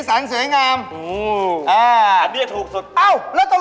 แบบไหนล่ะครับถูกที่สุดจบ